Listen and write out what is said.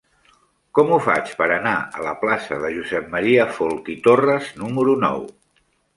Com ho faig per anar a la plaça de Josep M. Folch i Torres número nou?